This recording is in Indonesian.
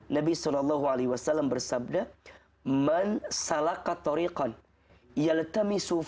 nabi saw berkata